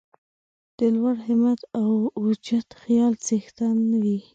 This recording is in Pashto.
د لوړ همت او اوچت خیال څښتن وي.